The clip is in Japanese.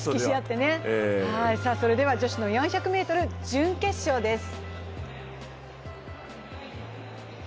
それでは女子４００ｍ準決勝です。